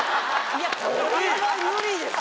いやこれは無理です。